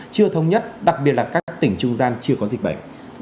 thứ nhất đặc biệt là các tỉnh trung gian chưa có dịch bệnh